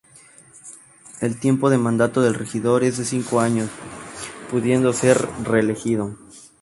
El tiempo de mandato del regidor es de cinco años, pudiendo ser reelegido.